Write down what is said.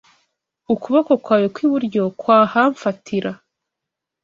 Ukuboko kwawe kw’iburyo kwahamfatira.